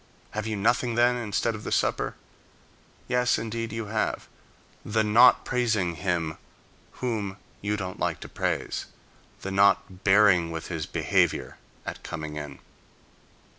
Have you nothing, then, instead of the supper? Yes, indeed, you have: the not praising him, whom you don't like to praise; the not bearing with his behavior at coming in.